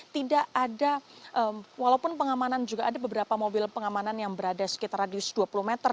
tidak ada walaupun pengamanan juga ada beberapa mobil pengamanan yang berada sekitar radius dua puluh meter